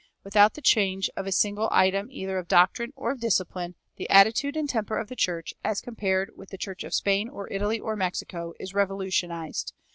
Without the change of a single item either of doctrine or of discipline, the attitude and temper of the church, as compared with the church of Spain or Italy or Mexico, is revolutionized.